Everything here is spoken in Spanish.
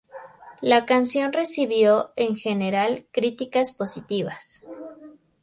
La canción recibió, en general, críticas positivas.